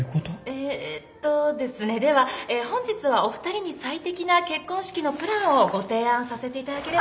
えっとですねではえ本日はお二人に最適な結婚式のプランをご提案させていただければ。